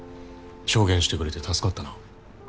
証言してくれて助かったな。